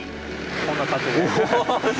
こんな感じで。